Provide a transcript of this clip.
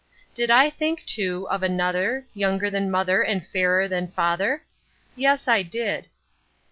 Did I think, too, of another, younger than mother and fairer than father? Yes, I did.